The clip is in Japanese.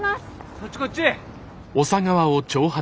こっちこっち。